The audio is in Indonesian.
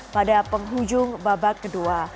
pada penghujung babak kedua